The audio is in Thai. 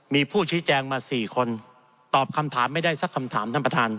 มีผู้ชี้แจงมา๔คนตอบคำถามไม่ได้สักคำถามท่านประธาน